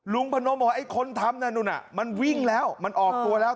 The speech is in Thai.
พนมบอกว่าไอ้คนทำนั่นนู่นน่ะมันวิ่งแล้วมันออกตัวแล้ว